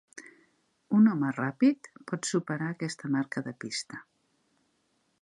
Un home ràpid pot superar aquesta marca de pista.